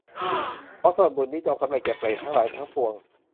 ขอส่วนบุญนี้จงสำเร็จแก่เปรตทั้งหลายทั้งปวง